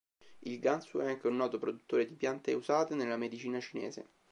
Il Gansu è anche un noto produttore di piante usate nella medicina cinese.